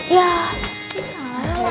ya ini salah banget